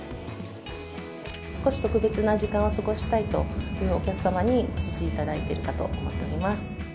少し特別な時間を過ごしたいというお客様にご支持いただいているかと思っております。